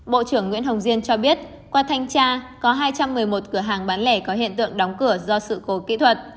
bộ trưởng nguyễn hồng diên cho biết qua thanh tra có hai trăm một mươi một cửa hàng bán lẻ có hiện tượng đóng cửa do sự cố kỹ thuật